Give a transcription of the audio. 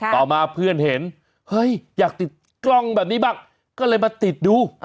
ต่อมาเพื่อนเห็นเฮ้ยอยากติดกล้องแบบนี้บ้างก็เลยมาติดดู